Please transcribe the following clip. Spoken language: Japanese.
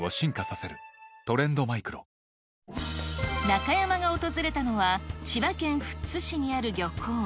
中山が訪れたのは、千葉県富津市にある漁港。